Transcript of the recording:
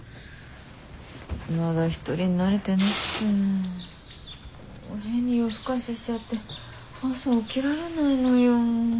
まだ一人に慣れてなくて変に夜更かししちゃって朝起きられないのよ。